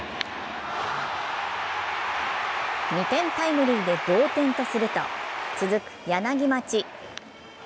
２点タイムリーで同点とすると続く柳町。